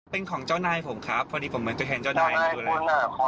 เป็นของเจ้านายผมครับพอดีผมเหมือนตัวแทนเจ้านายอยู่แล้ว